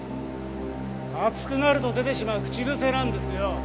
熱くなると出てしまう口癖なんですよ。